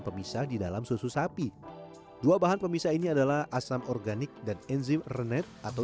pemisah di dalam susu sapi dua bahan pemisah ini adalah asam organik dan enzim renet atau